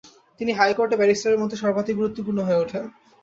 তিনি হাইকোর্টে ব্যারিস্টারের মধ্যে সর্বাধিক গুরুত্বপূর্ণ হয়ে ওঠেন।